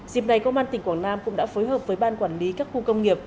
dịp này công an tỉnh quảng nam cũng đã phối hợp với ban quản lý các khu công nghiệp